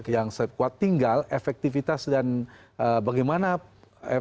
yang kuat tinggal efektivitas dan bagaimana efektivitas menyampaikan kepadanya